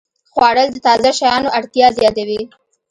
خوړل د تازه شیانو اړتیا زیاتوي